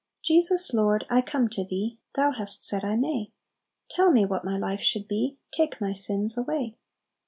"Jesus, Lord, I come to Thee, Thou hast said I may; Tell me what my life should be, Take my sins away.